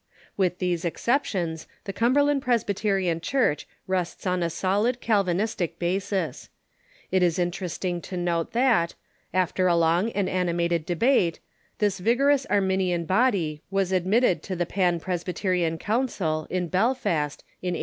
With these exceptions, the Cumberland Presbyterian Church rests on a solid Calvinistic basis. It is interesting to note that, after a long and animated debate, this vigorous Arminian body was admitted to the Pan Presbyterian Council in Belfast in 1884.